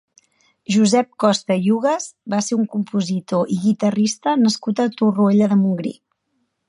Josep Costa i Hugas va ser un compositor i guitarrista nascut a Torroella de Montgrí.